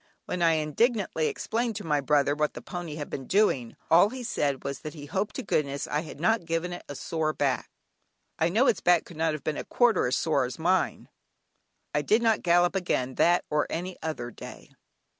When I indignantly explained to my brother what the pony had been doing, all he said was that he hoped to goodness I had not given it a sore back. I know its back could not have been a quarter as sore as was mine! I did not gallop again that or any other day.